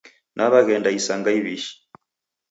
Naw'aghenda isanga iw'ishi